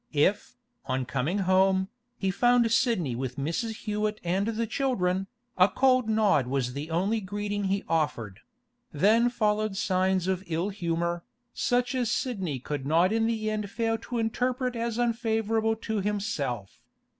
If, on coming home, he found Sidney with Mrs. Hewett and the children, a cold nod was the only greeting he offered; then followed signs of ill humour, such as Sidney could not in the end fail to interpret as unfavourable to himself.